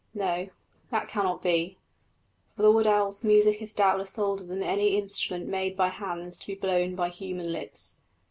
No, that cannot be; for the wood owl's music is doubtless older than any instrument made by hands to be blown by human lips.